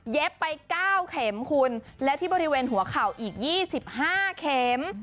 ไป๙เข็มคุณและที่บริเวณหัวเข่าอีก๒๕เข็ม